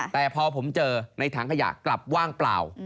แต่พอผมเจอในถังขยะกลับว่างเปล่า